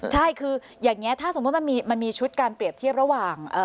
ใช่คืออย่างนี้ถ้าสมมุติมันมีชุดการเปรียบเทียบระหว่าง